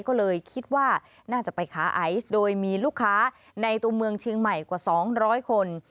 ก็เลยคิดว่าน่าจะไปค้าไอซ์โดยมีลูกค้าในตัวเมืองเชียงใหม่กว่า๒๐๐คน